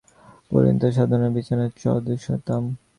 পরিত্রাণায়া সাধূনাং বিনাশায় চ দুষ্কৃতাম্।